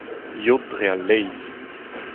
yod dre al laezh